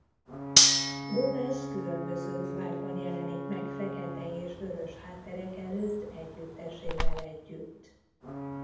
Gomez különböző ruhákban jelenik meg fekete és vörös hátterek előtt együttesével együtt.